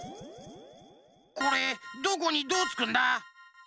これどこにどうつくんだ？